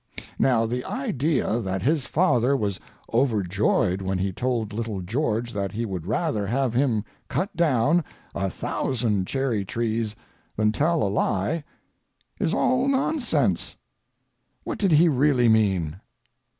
Now, the idea that his father was overjoyed when he told little George that he would rather have him cut down, a thousand cheery trees than tell a lie is all nonsense. What did he really mean?